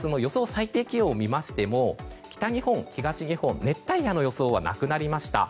最低気温を見ましても北日本、東日本熱帯夜の予想はなくなりました。